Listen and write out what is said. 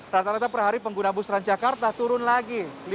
rata rata per hari pengguna bus transjakarta turun lagi